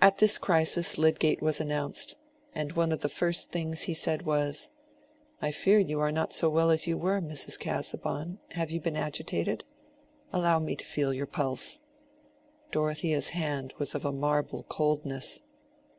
At this crisis Lydgate was announced, and one of the first things he said was, "I fear you are not so well as you were, Mrs. Casaubon; have you been agitated? allow me to feel your pulse." Dorothea's hand was of a marble coldness.